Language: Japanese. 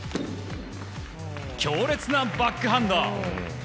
強烈なバックハンド！